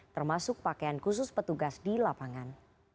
termasuk pakaian khusus petugas di lapangan